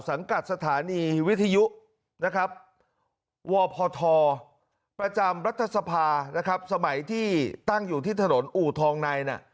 สังกัดสถานีวิทยุวพธประจำรัฐสภาสมัยที่ตั้งอยู่ที่ถนนอู่ทองใน